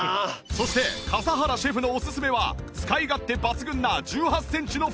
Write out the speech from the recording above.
そして笠原シェフのおすすめは使い勝手抜群な１８センチのフライパン